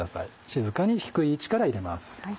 静かに低い位置から入れます。